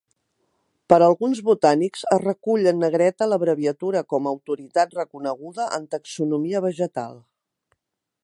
Per alguns botànics es recull en negreta l'abreviatura com a autoritat reconeguda en taxonomia vegetal.